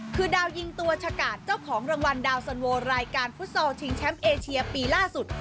คือดาวยิงตัวชะกาดเจ้าของรางวัลดาวสันโวรายการฟุตซอลชิงแชมป์เอเชียปีล่าสุด